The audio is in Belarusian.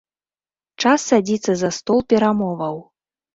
Час садзіцца за стол перамоваў.